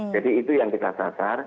jadi itu yang kita sasar